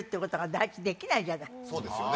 そうですよね。